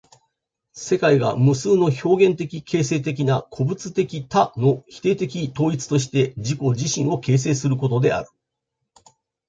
世界が無数の表現的形成的な個物的多の否定的統一として自己自身を形成することである。